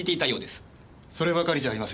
そればかりじゃありません。